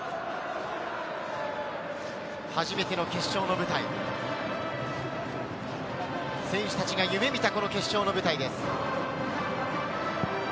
初めての決勝の舞台、選手たちが夢見た決勝の舞台です。